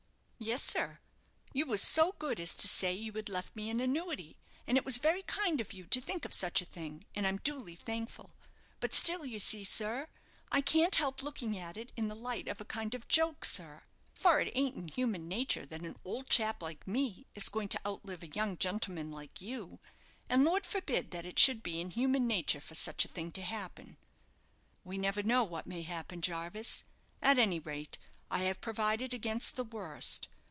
"Yes, sir, you was so good as to say you had left me an annuity, and it was very kind of you to think of such a thing, and I'm duly thankful. But still you see, sir, I can't help looking at it in the light of a kind of joke, sir; for it ain't in human nature that an old chap like me is going to outlive a young gentleman like you; and Lord forbid that it should be in human nature for such a thing to happen." "We never know what may happen, Jarvis. At any rate, I have provided against the worst.